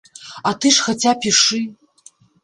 А ты ж хаця пішы.